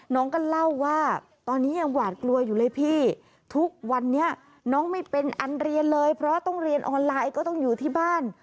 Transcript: น้องก็เล่าว่าตอนนี้ยังหวาดกลัวอยู่เลยพี่ทุกวันนี้น้องไม่เป็นอันเรียนเลยเพราะต้องเรียนออนไลน์ก็ต้องอยู่ที่บ้าน